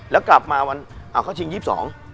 แล้วกลับมาวันอ้าวเขาชิง๒๒